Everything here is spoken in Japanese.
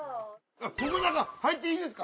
ここ中入っていいですか？